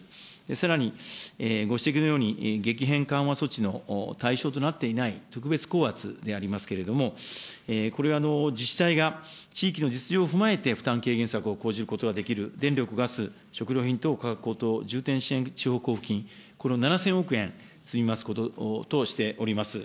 さらに、ご指摘のように、激変緩和措置の対象となっていない特別高圧でありますけれども、これは自治体が地域の実情を踏まえて負担軽減策を講じることができる電力・ガス、食料品等価格高騰重点支援地方交付金、この７０００億円積み増すこととしております。